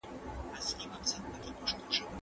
پر کوترو به سوه جوړه د غم خونه